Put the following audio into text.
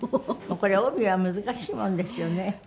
帯は難しいもんですよね。